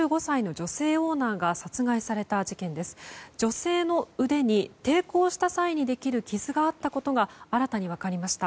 女性の腕に抵抗した際にできる傷があったことが新たに分かりました。